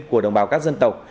của đồng bào các dân tộc